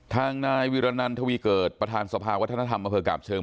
ทางนายวิรนันทวีเกิดประธานสภาวัฒนธรรมอำเภอกาบเชิง